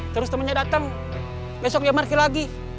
terus temennya dateng besok dia market lagi